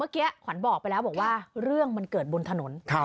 ควันบอกไปแล้วเรื่องมันเกิดบนถนน